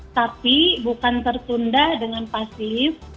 tapi bukan tertunda dengan pasif